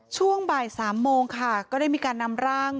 ช่วงบ่าย๓โมงค่ะก็ได้มีการนำร่าง